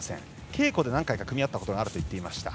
稽古で何回か組み合ったことがあると言っていました。